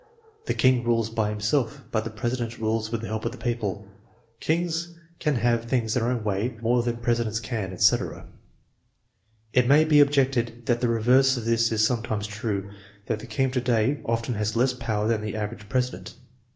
" The king rules by himself, but the presi dent rules with the help of the people.'* " Kings can have things their own way more than presidents can," etc. It may be objected that the reverse of this is sometimes true, that the king of to day often has less power than the average president.